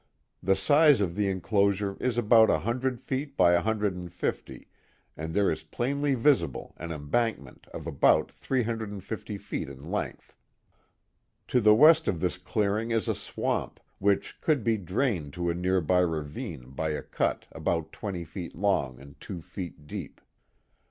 The size of the enclosure is about 100 feet by 150, and there is plainly visible an embankment of about 350 feet in length. To the west of this clearing is a swamp, which could be drained to a near by ravine by a cut about twenty feet long and two feet deep.